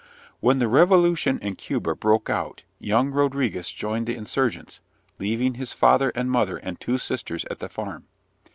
When the revolution in Cuba broke out young Rodriguez joined the insurgents, leaving his father and mother and two sisters at the farm.